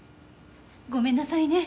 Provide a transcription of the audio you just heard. ごめんなさいね